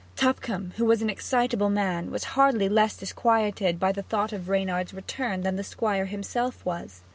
Tupcombe, who was an excitable man, was hardly less disquieted by the thought of Reynard's return than the Squire himself was.